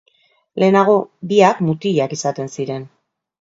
Lehenago biak mutilak izaten ziren.